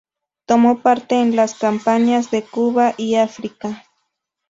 Tomó parte en las campañas de Cuba y África.